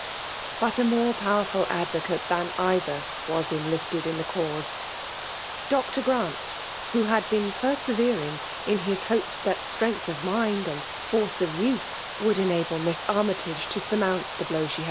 But a more powerful advocate than either was enlisted in the cause. Dr. Grant, w1h> had been persevering in his hbpes that strength of mind and force of youth would enable Miss Armytago to surmount the blow FESiAU?